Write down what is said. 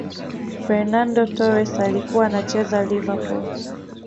fernando torres alikuwa anacheza liverpool